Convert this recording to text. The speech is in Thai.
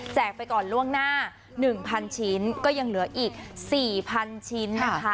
ไปก่อนล่วงหน้า๑๐๐ชิ้นก็ยังเหลืออีก๔๐๐๐ชิ้นนะคะ